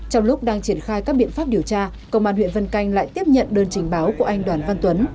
trong lúc đang triển khai các biện pháp điều tra công an huyện vân canh lại tiếp nhận đơn trình báo của anh đoàn văn tuấn